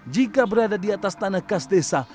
jika berada di atas tanah kas desa